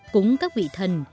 cúng các vị thần